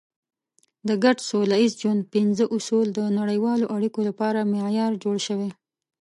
د ګډ سوله ییز ژوند پنځه اصول د نړیوالو اړیکو لپاره معیار جوړ شوی.